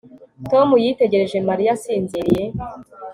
Tom yitegereje Mariya asinziriye